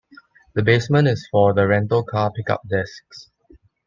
The basement is for the rental-car pickup desks.